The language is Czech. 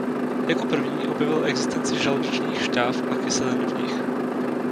Jako první objevil existenci žaludečních šťáv a kyselin v nich.